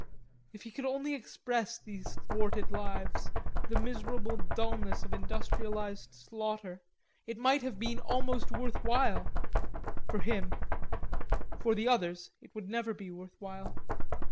If he could only express these thwarted lives, the miserable dullness of industrialized slaughter, it might have been almost worth while for him; for the others, it would never be worth while.